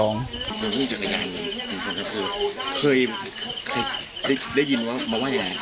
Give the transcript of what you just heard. น่าฟิลี่เคยเคยได้ยินว่าคุณมาว่ายอะไร